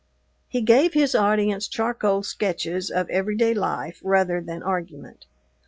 He gave his audience charcoal sketches of everyday life rather than argument.